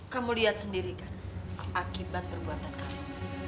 kamu lihat sendiri kan akibat perbuatan kamu